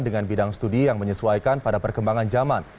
dengan bidang studi yang menyesuaikan pada perkembangan zaman